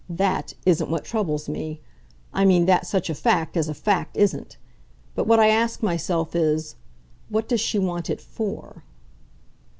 THAT isn't what troubles me. I mean that such a fact, as a fact, isn't. But what I ask myself is, What does she want it FOR?"